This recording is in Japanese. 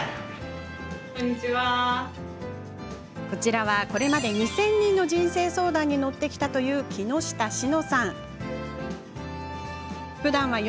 こちら、これまで２０００人の人生相談に乗ってきたという木下紫乃さん。